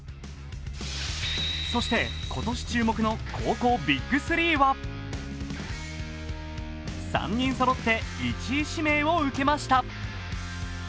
そして、今年注目の高校ＢＩＧ３は３人そろって１位指名を受けました。